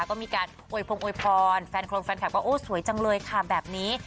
ก็มีการอวยพงโวยพรแฟนโครงแฟนคลับว่าโอ้สวยจังเลยค่ะแบบนี้